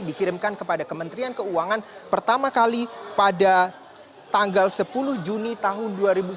dikirimkan kepada kementerian keuangan pertama kali pada tanggal sepuluh juni tahun dua ribu sembilan belas